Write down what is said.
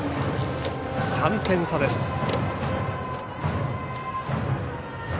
３点差です。